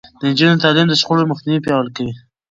د نجونو تعليم د شخړو مخنيوی پياوړی کوي.